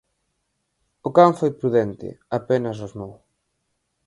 O can foi prudente, apenas rosmou.